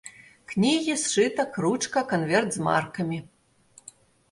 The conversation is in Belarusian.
Кнігі, сшытак, ручка, канверт з маркамі.